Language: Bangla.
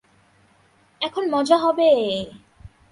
এখন মজা হবে!